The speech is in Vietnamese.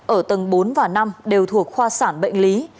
ở tầng bốn và năm đều thuộc khoa sản bệnh lý